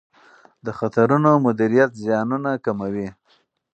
د خطرونو مدیریت زیانونه کموي.